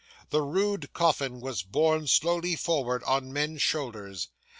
The rude coffin was borne slowly forward on men's shoulders.